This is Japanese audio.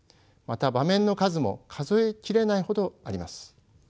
また場面の数も数え切れないほどあります。